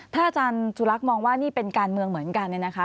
ถ้าอาจารย์จุลักษ์มองว่านี่เป็นการเมืองเหมือนกันเนี่ยนะคะ